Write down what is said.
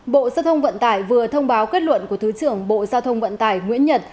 bộ giao thông vận tải vừa thông báo kết luận của thứ trưởng bộ giao thông vận tải nguyễn nhật